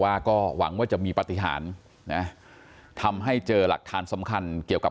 ว่าก็หวังว่าจะมีปฏิหารนะทำให้เจอหลักฐานสำคัญเกี่ยวกับ